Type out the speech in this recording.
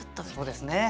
そうですね。